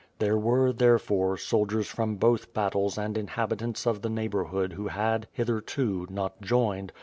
There were, therefore, soldiers from both battles and inhabitants of the neighbor hood who had, hitherto, not joiner!